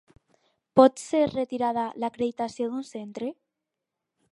Pot ser retirada l'acreditació d'un centre?